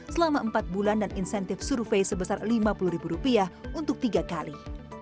selama empat bulan dan insentif survei sebesar lima puluh ribu rupiah untuk tiga kali